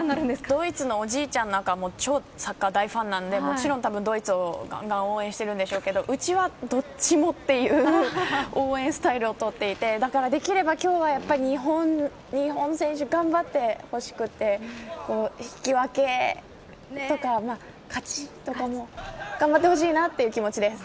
ドイツのおじいちゃんは超サッカーの大ファンなのでもちろんドイツを応援しているんでしょうけどうちはどっちもっていう応援スタイルをとっていてできれば今日は日本選手に頑張ってほしくて引き分けとか勝ちとかも頑張ってほしいなという気持ちです。